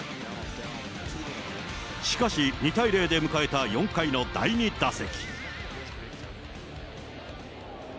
しかし、２対０で迎えた４回の第２打席。